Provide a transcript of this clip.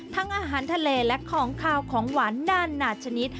ทั้งอาหารทะเลและของขาวของหวานนานหนาชนิด